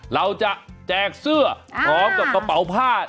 เราจะแจกเสื้อพร้อมกับกระเป๋าผ้า